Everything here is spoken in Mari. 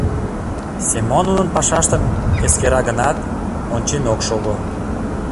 Семон нунын пашаштым эскера гынат, ончен ок шого.